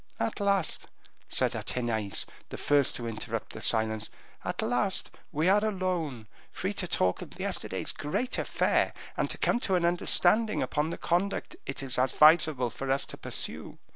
"At last," said Athenais, the first to interrupt the silence, "at last we are alone, free to talk of yesterday's great affair, and to come to an understanding upon the conduct it is advisable for us to pursue.